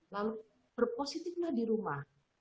lalu berpositiflah di rumah